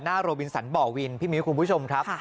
โรบินสันบ่อวินพี่มิ้วคุณผู้ชมครับ